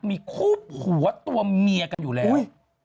มีคู่ผัวตัวเมียกันอยู่แล้ว